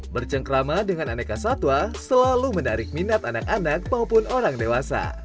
bercengkrama dengan aneka satwa selalu menarik minat anak anak maupun orang dewasa